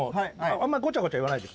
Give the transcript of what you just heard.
あんまりごちゃごちゃ言わないで。